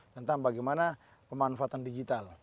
tentang bagaimana pemanfaatan digital